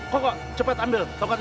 koko cepet ambil tongkat itu